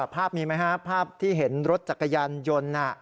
ภาพมีไหมครับภาพที่เห็นรถจักรยานยนต์